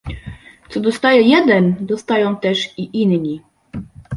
Co dostaje jeden, dostają też i inni